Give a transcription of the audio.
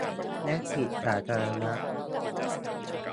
และจิตสาธารณะ